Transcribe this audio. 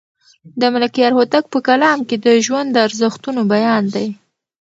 د ملکیار هوتک په کلام کې د ژوند د ارزښتونو بیان دی.